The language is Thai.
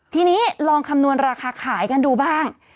ทีนี้ลองคำนวณราคาขายกันดูบ้าง